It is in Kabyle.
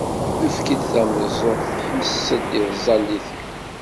Efk-d tameẓẓuɣt, ḥess-d i tẓallit-iw!